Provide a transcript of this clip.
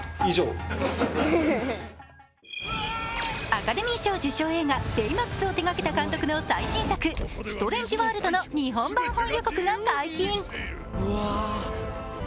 アカデミー賞受賞作品「ベイマックス」を手がけた監督の最新作「ストレンジ・ワールド」の日本版予告が解禁。